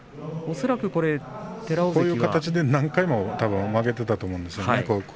寺尾がこういう形で何回も負けていたと思うんですね